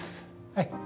はい。